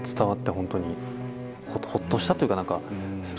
ホッとしたというか何か。